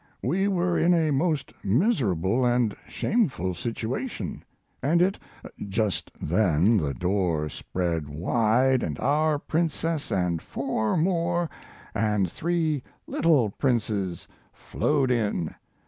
We were in a most miserable & shameful situation, & it Just then the door spread wide & our Princess & 4 more & 3 little Princes flowed in!